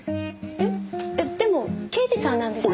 えっでも刑事さんなんですよね？